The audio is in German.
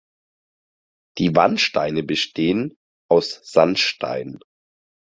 Die Wandsteine bestehen aus Sandstein.